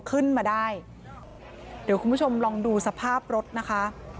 ขึ้นมาได้เดี๋ยวคุณผู้ชมลองดูสภาพรถนะคะ